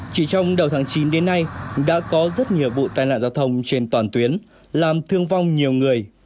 chỉ trong đầu tháng chín đến nay đã có rất nhiều vụ tai nạn giao thông trên toàn tuyến làm thương vong nhiều người